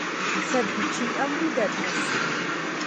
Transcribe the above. Sed Vi ĉiam ridetas.